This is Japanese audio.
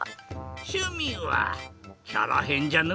しゅみはキャラへんじゃの。